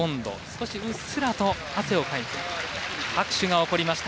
少しうっすらと汗をかいています。